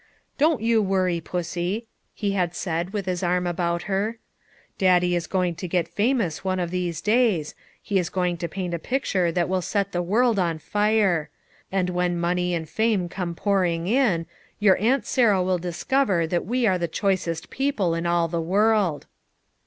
" Don't you worry, Pussy," he had said with his arm about her. " Daddy is going to get famous one of these days; he is going to paint a picture that will set the world on fire ; and when money and fame come pouring in, your Aunt Sarah will discover that we are the choicest people in all the world."